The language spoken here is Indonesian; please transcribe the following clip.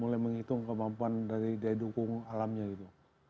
mulai menghitung kemampuan dari daya dukung alamnya gitu